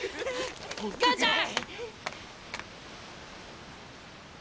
母ちゃん！